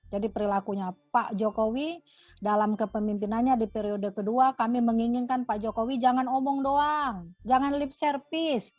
jadi perilakunya pak jokowi dalam kepemimpinannya di periode kedua kami menginginkan pak jokowi jangan omong doang jangan lip service